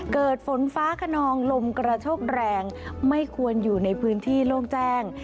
เกิดฝนฟ้าขนองลมกระโชกแรงไม่ควรอยู่ในพื้นที่โล่งแจ้ง